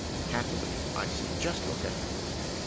" Happily, I see ! Just look at him."